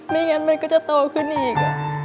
ไม่งั้นมันก็จะโตขึ้นอีก